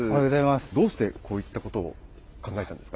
どうしてこういったことを考えたんですか？